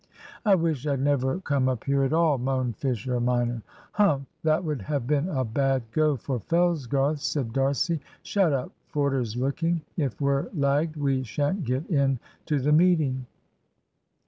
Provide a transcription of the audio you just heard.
"I wish I'd never come up here at all," moaned Fisher minor. "Humph. That would have been a bad go for Fellsgarth," said D'Arcy. "Shut up Forder's looking. If we're lagged we shan't get in to the meeting."